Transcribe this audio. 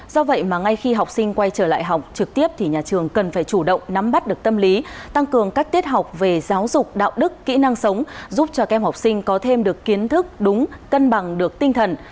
do vậy mà ngay khi học sinh quay trở lại học trực tiếp thì nhà trường cần phải chủ động nắm bắt được tâm lý tăng cường các tiết học về giáo dục đạo đức kỹ năng sống giúp cho các em học sinh có thêm được kiến thức đúng cân bằng được tinh thần